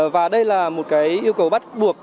và đây là một yêu cầu bắt buộc